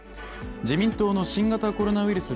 自民党の新型コロナウイルス